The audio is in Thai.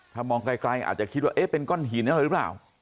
ถ้ามองค่อยอาจจะคิดว่าเป็นก้อนหินนี่หรือเปล่า